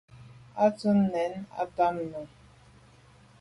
À tum nène à tamte nu.